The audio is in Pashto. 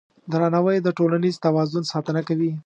درناوی د ټولنیز توازن ساتنه کوي.